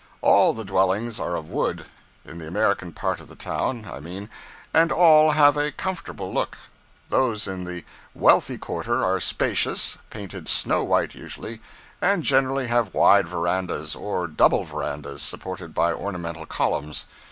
All the dwellings are of wood in the American part of the town, I mean and all have a comfortable look. Those in the wealthy quarter are spacious; painted snow white usually, and generally have wide verandas, or double verandas, supported by ornamental columns.